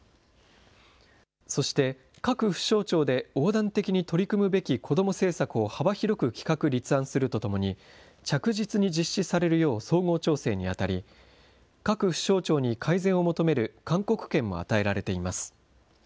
そして各府省庁で横断的に取り組むべき子ども政策を幅広く企画立案するとともに、着実に実施されるよう総合調整にあたり、各府省庁に改善を求める勧告権も与えられています。